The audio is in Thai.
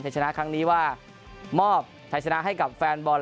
น่าทายสนาครั้งนี้ว่ามอบทายสนาให้กับแฟนบอล